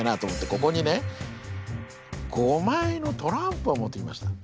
ここにね５枚のトランプを持ってきました。